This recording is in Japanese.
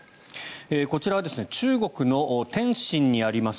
こちらは中国の天津にあります